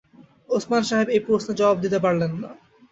ওসমান সাহেব এই প্রশ্নের জবাব দিতে পারলেন না।